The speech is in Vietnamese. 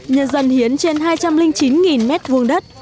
nhân dân hiến trên hai trăm linh chín m hai đất